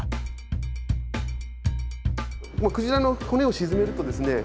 鯨の骨を沈めるとですね